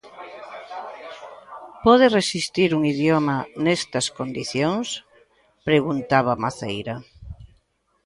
Pode resistir un idioma nestas condicións?, preguntaba Maceira.